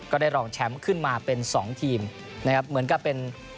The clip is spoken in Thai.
ก็ได้รองแชมป์ขึ้นมาเป็นสองทีมนะครับเหมือนกับเป็น